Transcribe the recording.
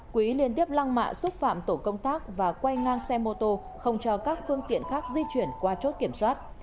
quý liên tiếp lăng mạ xúc phạm tổ công tác và quay ngang xe mô tô không cho các phương tiện khác di chuyển qua chốt kiểm soát